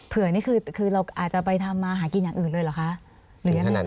เผื่อนี่คือคือเราอาจจะไปทำมาหากินอย่างอื่นเลยเหรอคะถึงขนาดนั้น